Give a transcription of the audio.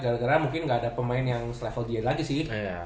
gara gara mungkin nggak ada pemain yang selevel dia lagi sih